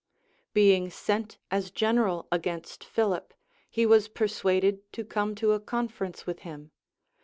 Being sent as general against Philip, he Avas persuaded to come to a conference with him.